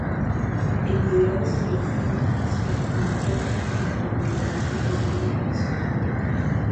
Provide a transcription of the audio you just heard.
El video recibió una nominación a un premio en la categoría Mejor colaboración.